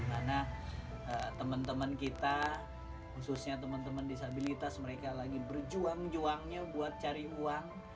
karena teman teman kita khususnya teman teman disabilitas mereka lagi berjuang juangnya buat cari uang